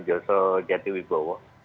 kami akan menuju ke jatiwibowo